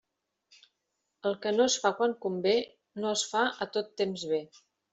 El que no es fa quan convé, no es fa a tot temps bé.